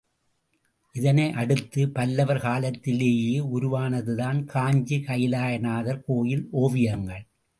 இதனை அடுத்து, பல்லவர் காலத்திலேயே உருவானதுதான் காஞ்சி கைலாசநாதர் கோயில் ஓவியங்கள்.